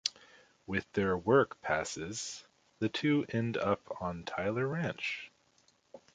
With their work passes, the two end up on Tyler Ranch.